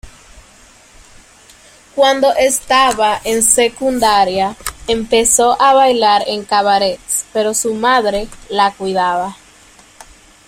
Cuando estaba en secundaria, empezó a bailar en "cabarets", pero su madre la cuidaba.